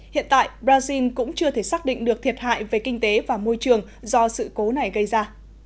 hiện tại brazil cũng chưa thể xác định được thiệt hại về kinh tế và môi trường do sự cố này gây ra